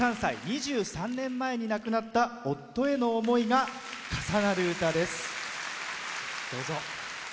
２３年前に亡くなった夫への思いが重なる歌です。